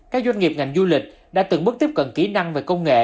các doanh nghiệp ngành du lịch đã từng bước tiếp cận kỹ năng về công nghệ